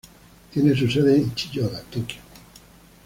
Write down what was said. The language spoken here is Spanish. Tiene su sede en Chiyoda, Tokio.